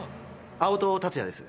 青戸達也です